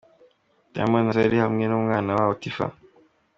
Diamond na Zari hamwe n'umwana wabo Tiffah.